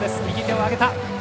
右手を上げた。